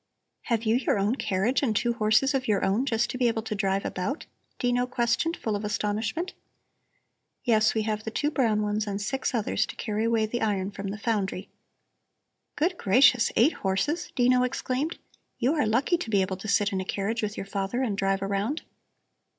"Have you your own carriage and two horses of your own, just to be able to drive about?" Dino questioned, full of astonishment. "Yes, we have the two brown ones and six others to carry away the iron from the foundry." "Good gracious, eight horses!" Dino exclaimed. "You are lucky to be able to sit in a carriage with your father and drive around!"